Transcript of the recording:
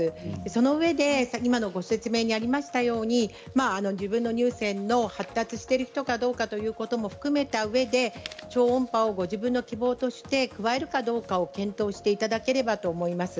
そのうえで、今のご説明にありましたように自分の乳腺が発達しているかどうかということも、含めたうえで超音波をご自分の希望として加えるかどうかを検討していただければと思います。